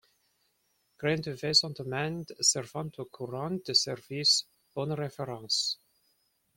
Grains de Vais On demande servante au courant du service, bonnes références.